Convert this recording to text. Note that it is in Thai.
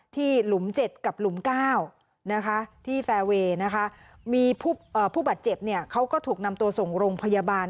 หลุม๗กับหลุม๙นะคะที่แฟร์เวย์นะคะมีผู้บาดเจ็บเนี่ยเขาก็ถูกนำตัวส่งโรงพยาบาล